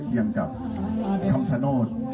เตรียมกับคำชะโน้ต